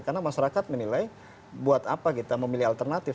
karena masyarakat menilai buat apa kita memilih alternatif